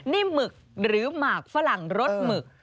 นิ่มหมึกหรือหมากฝรั่งรสหมึก